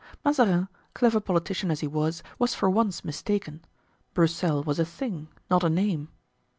Mazarin, clever politician as he was, was for once mistaken; Broussel was a thing, not a name.